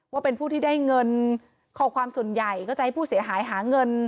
ว่าเป็นผู้ที่ได้เงินข้อความส่วนใหญ่ก็จะให้ผู้เสียหายหาเงิน